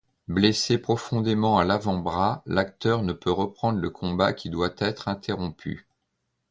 Blessé profondément à l'avant-bras, l'acteur ne peut reprendre le combat qui doit être interrompu.